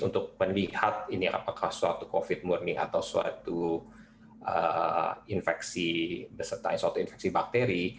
untuk melihat ini apakah suatu covid sembilan belas murni atau suatu infeksi beserta infeksi bakteri